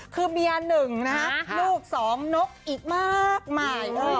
คือเมียหนึ่งนะครับลูกสองนกอีกมากหมาย